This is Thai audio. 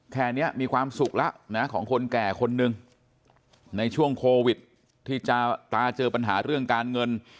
แค่นี้มีความสุขแล้วนะของคนแก่คนหนึ่งในช่วงโควิดที่ตาเจอปัญหาเรื่องการเงิน